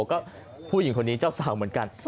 ก็ผู้หญิงคนนี้เจ้าสาวเหมือนกัน